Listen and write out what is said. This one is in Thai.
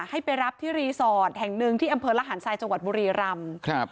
ให้ไปรับที่รีสอร์ทแห่งหนึ่งที่อำเภอระหารทรายจังหวัดบุรีรำ